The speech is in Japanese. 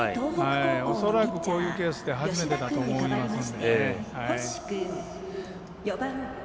恐らく、こういうケースは初めてだと思いますので。